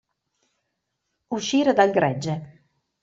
Uscire dal gregge.